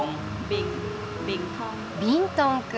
ビントン君。